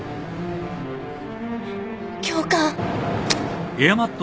教官。